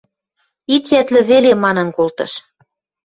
Ит йӓтлӹ веле... – манын колтыш.